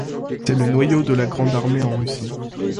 C'est le noyau de la Grande Armée en Russie.